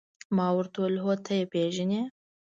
ما ورته وویل: هو، ته يې پېژنې؟